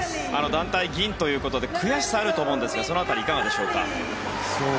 団体、銀ということで悔しさはあると思うんですがその辺りはいかがでしょうか。